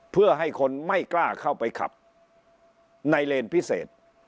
เพื่อให้คนไม่กล้าเข้าไปขับในเลนพิเศษ